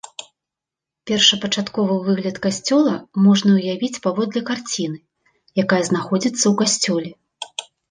Першапачатковы выгляд касцёла можна ўявіць паводле карціны, якая знаходзіцца ў касцёле.